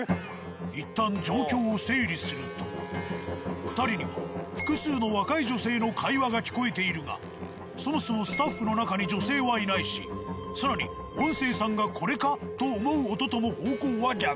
一旦２人には複数の若い女性の会話が聞こえているがそもそもスタッフの中に女性はいないし更に音声さんがこれか？と思う音とも方向は逆。